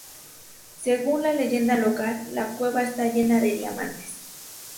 Según la leyenda local, la cueva está llena de diamantes.